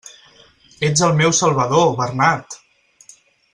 Ets el meu salvador, Bernat!